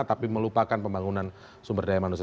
tapi melupakan pembangunan sumber daya manusia